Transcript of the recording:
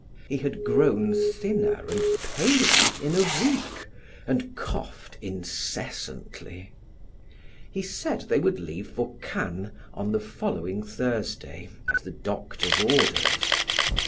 He had grown thinner and paler in a week and coughed incessantly; he said they would leave for Cannes on the following Thursday at the doctor's orders.